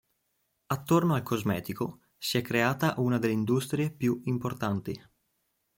Attorno al cosmetico si è creata una delle industrie più importanti.